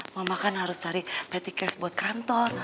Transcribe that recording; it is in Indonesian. mama kan harus cari peticast buat kantor